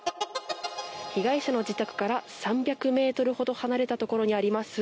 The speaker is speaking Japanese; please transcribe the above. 被害者の自宅から３００ｍほど離れたところにあります